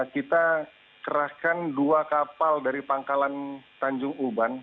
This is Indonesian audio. kita kerahkan dua kapal dari pangkalan tanjung uban